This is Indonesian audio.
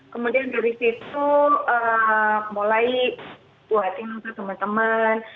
kemudian dari situ mulai buatin untuk teman teman